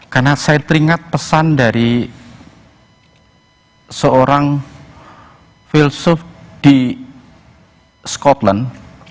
karena saya teringat pesan dari seorang filsuf di scotland